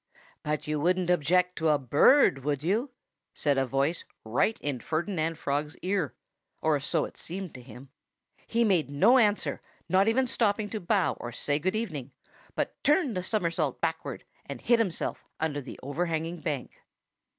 "But you wouldn't object to a bird, would you?" said a voice right in Ferdinand Frog's ear or so it seemed to him. He made no answer not even stopping to bow, or say good evening but turned a somersault backward and hid himself under the overhanging bank.